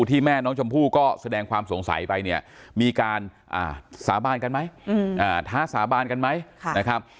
แม่น้องชมพู่ก็แสดงความสงสัยไปเนี่ยมีการสาบานกันไหมท้าสาบานกันไหมนะครับ